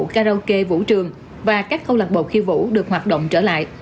karaoke vũ trường và các cô lạc bộ khiêu vũ được hoạt động trở lại